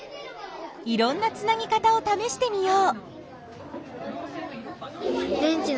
いろんなつなぎ方をためしてみよう。